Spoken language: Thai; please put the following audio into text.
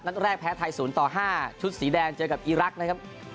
แรกแพ้ไทย๐ต่อ๕ชุดสีแดงเจอกับอีรักษ์นะครับ